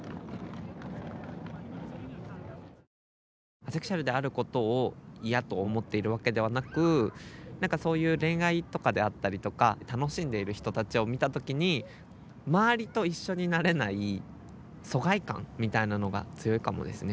アセクシュアルであることを嫌と思っているわけではなくなんかそういう恋愛とかであったりとか楽しんでいる人たちを見た時に周りと一緒になれない疎外感みたいなのが強いかもですね。